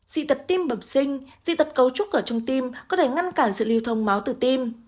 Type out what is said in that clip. dị tật tim bẩm sinh dị tật cấu trúc ở trong tim có thể ngăn cản sự liều thông máu từ tim